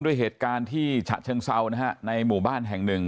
ด้วยเหตุการณ์ที่ฉะเชิงเซานะฮะในหมู่บ้านแห่งหนึ่ง